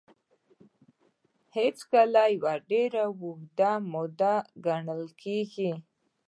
هېڅکله يوه ډېره اوږده موده ګڼل کېږي.